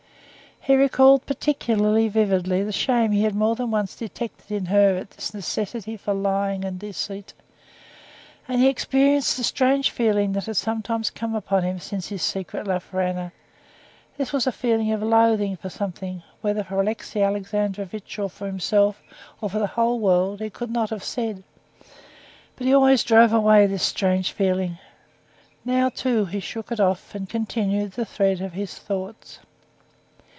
He recalled particularly vividly the shame he had more than once detected in her at this necessity for lying and deceit. And he experienced the strange feeling that had sometimes come upon him since his secret love for Anna. This was a feeling of loathing for something—whether for Alexey Alexandrovitch, or for himself, or for the whole world, he could not have said. But he always drove away this strange feeling. Now, too, he shook it off and continued the thread of his thoughts.